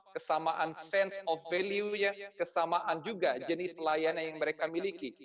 kesamaan sense of value nya kesamaan juga jenis layanan yang mereka miliki